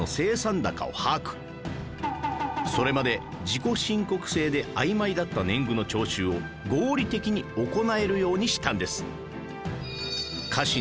それまで自己申告制であいまいだった年貢の徴収を合理的に行えるようにしたんです